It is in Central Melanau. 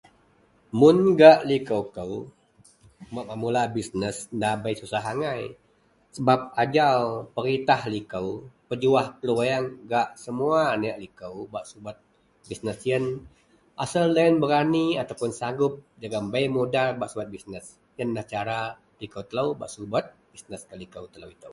Mun gak likou kou, bak memula bisnes nda bei susah angai, sebap ajau peritah likou pejuah peluweang gak semua aneak likou bak subet bisness yen asel loyen berani ataupuun sanggup jegem bei mudal bak subet bisnes, yenlah cara likou telou bak subet bisnes gak likou telou itou,